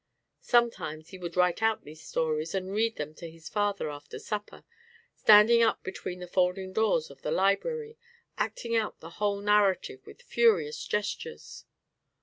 Sometimes he would write out these stories and read them to his father after supper, standing up between the folding doors of the library, acting out the whole narrative with furious gestures.